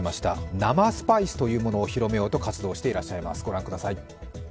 生スパイスというものを広めようと活動していらっしゃいます。